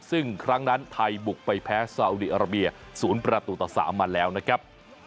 ซึ่งครั้งนั้นไทยบุกไปแพ้ซาอุดีอาราเบีย๐ประตูต่อ๓มาแล้วนะครับ